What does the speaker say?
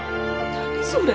何それ。